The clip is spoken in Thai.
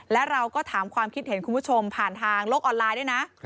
และเราก็ถามความคิดเห็นคุณผู้ชมผ่านทางโลกออนไลน์ด้วยนะ